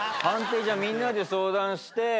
判定じゃあみんなで相談して。